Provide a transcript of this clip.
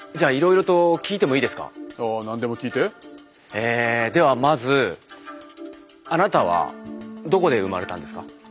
えではまずあなたはどこで生まれたんですか？